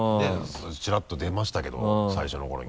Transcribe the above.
チラッと出ましたけど最初の頃に。